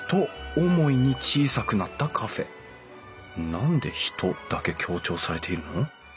何で“ひと”だけ強調されているの？